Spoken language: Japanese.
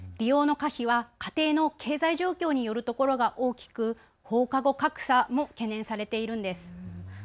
利用の可否は家庭の経済状況によるところが大きく放課後格差も懸念されているんです。